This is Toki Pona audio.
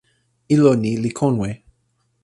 ilo ni li konwe.